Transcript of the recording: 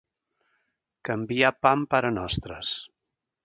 Canviar pa amb parenostres.